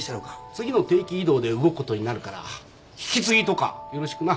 次の定期異動で動くことになるから引き継ぎとかよろしくな。